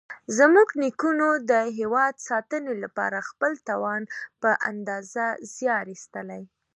زموږ نیکونو د هېواد ساتنې لپاره خپل توان په اندازه زیار ایستلی.